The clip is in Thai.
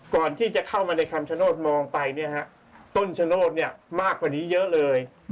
ก่อนที่จะเข้ามาในคำชาวโน้ตมองไปเนี่ยฮะต้นชาวโน้ตเนี่ยมากกว่านี้เยอะเลย